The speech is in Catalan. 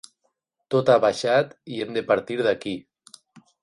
Tot ha baixat i hem de partir d’aquí.